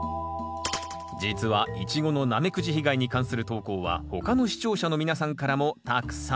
実はイチゴのナメクジ被害に関する投稿は他の視聴者の皆さんからもたくさん寄せられています。